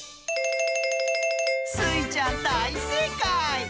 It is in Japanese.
スイちゃんだいせいかい！